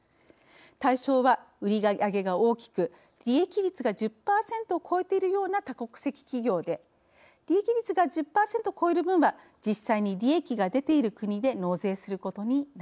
対象は売り上げが大きく利益率が１０％を超えているような多国籍企業で利益率が１０％を超える分は実際に利益が出ている国で納税することになります。